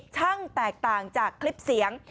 แตกต่างจากคลิปเสียง